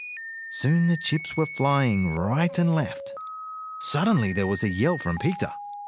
Soon the chips were flying right and left. Suddenly there was a yell from Peter.